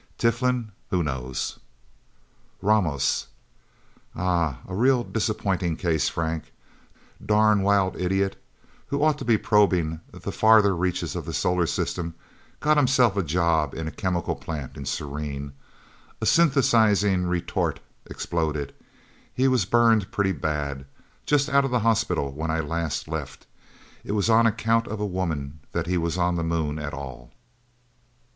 Tiflin? Who knows?" "Ramos?" "Ah a real disappointing case, Frank. Darn wild idiot who ought to be probing the farther reaches of the solar system, got himself a job in a chemical plant in Serene. A synthesizing retort exploded. He was burned pretty bad. Just out of the hospital when I last left. It was on account of a woman that he was on the Moon at all."